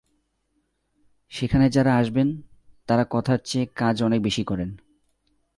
সেখানে যাঁরা আসবেন, তাঁরা কথার চেয়ে কাজ অনেক বেশি করেন।